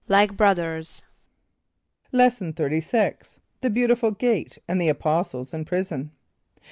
=Like brothers.= Lesson XXXVI. The Beautiful Gate, and the Apostles in Prison.